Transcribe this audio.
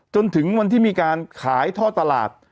จนถึงวันที่มีการขายท่อตลาด